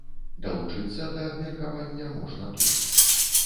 Далучыцца да абмеркавання можна тут.